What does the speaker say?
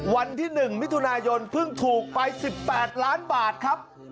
วันที่๑มิถุนายนเพิ่งถูกไป๑๘ล้านบาทครับ